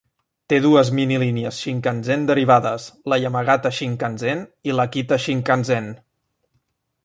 Té dues minilínies shinkansen derivades, la Yamagata Shinkansen i l'Akita Shinkansen.